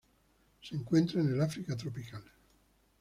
Se encuentran en el África tropical.